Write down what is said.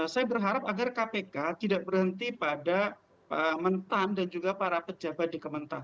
saya berharap agar kpk tidak berhenti pada mentan dan juga para pejabat di kementerian